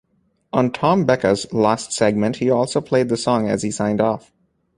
On Tom Becka's last segment, he also played the song as he signed off.